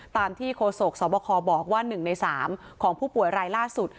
ตามที่โฆษกสบคบอกว่า๑ใน๓ของผู้ป่วยรายล่าสุด